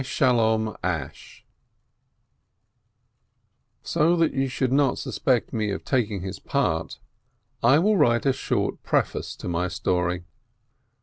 THE SINNEE So that you should not suspect me of taking his part, I will write a short preface to my story.